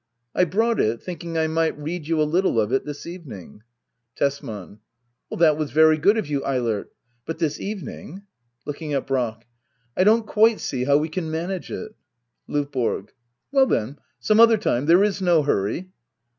] I brought it^ thinking I mignt read you a little of it this evening. Tesman. That was very good of you, Eilert. But this evening } [Inking at Brack.] I don't quite see how we can manage it LdVBORO. Well then, some other time. There is no hurry.